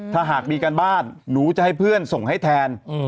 ถ้าหากมีการบ้านหนูจะให้เพื่อนส่งให้แทน